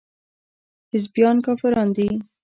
حزبيان کافران دي.